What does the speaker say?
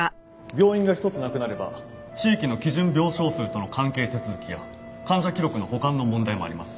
病院が１つなくなれば地域の基準病床数との関係手続きや患者記録の保管の問題もあります。